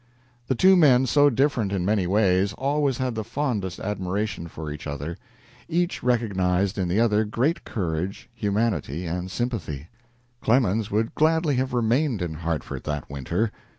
The two men, so different in many ways, always had the fondest admiration for each other; each recognized in the other great courage, humanity, and sympathy. Clemens would gladly have remained in Hartford that winter.